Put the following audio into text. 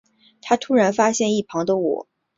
他突然发现一旁的我